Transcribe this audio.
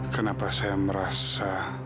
kenapa saya merasa